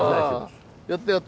やったやった！